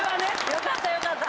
よかったよかった。